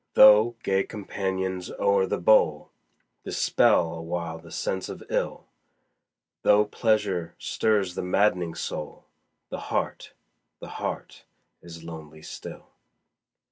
Though gay companions o'er the bowl Dispel awhile the sense of ill; Though pleasure stirs the maddening soul, The heart the heart is lonely still.